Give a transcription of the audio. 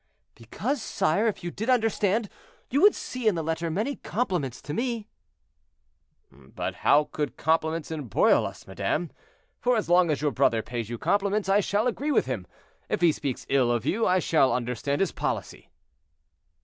"Because, sire, if you did understand, you would see in the letter many compliments to me." "But how could compliments embroil us, madame? For as long as your brother pays you compliments, I shall agree with him; if he speaks ill of you, I shall understand his policy."